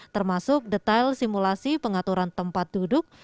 termasuk detail simulasi pengaturan tempat duduk